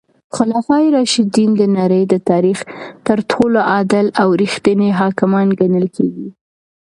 خلفای راشدین د نړۍ د تاریخ تر ټولو عادل او رښتیني حاکمان ګڼل کیږي.